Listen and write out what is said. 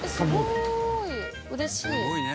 すごいね。